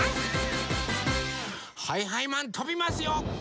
はいはいマンとびますよ！